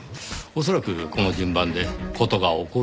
恐らくこの順番で事が起こる必然があった。